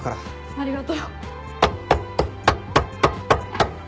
ありがとう。